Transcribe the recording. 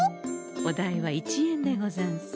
お代は１円でござんす。